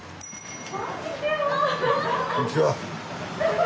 こんにちは。